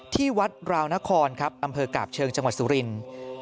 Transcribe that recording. ที่วัดราวนครครับอำเภอกาบเชิงจังหวัดสุรินทร์